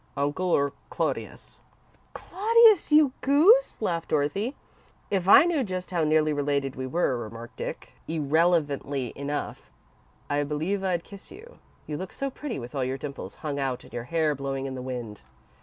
"Uncle, or Claudius?" "Claudius, you goose," laughed Dorothy. "If I knew just how nearly related we were," remarked Dick, irrelevantly enough, "I believe I'd kiss you. You look so pretty with all your dimples hung out and your hair blowing in the wind."